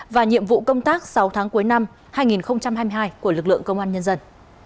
và nhiệm vụ công tác sáu tháng cuối năm hai nghìn hai mươi hai của lực lượng công an nhân dân